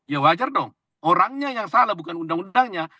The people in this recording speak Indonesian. ya wajar dong orangnya yang salah bukan undang undangnya